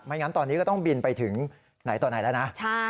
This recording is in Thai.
งั้นตอนนี้ก็ต้องบินไปถึงไหนต่อไหนแล้วนะ